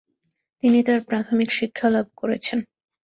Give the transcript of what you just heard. তিনি তার প্রাথমিক শিক্ষালাভ করেছেন।